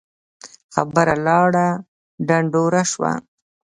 خبره لاړه ډنډوره سوه